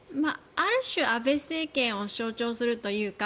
ある種安倍政権を象徴するというか